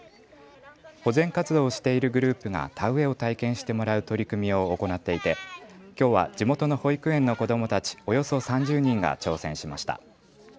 保全活動をしているグループが田植えを体験してもらう取り組みを行っていて、きょうは地元の保育園の子どもたちおよそ３０人が挑戦しました。